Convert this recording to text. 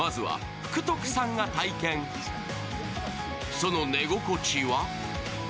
その寝心地は？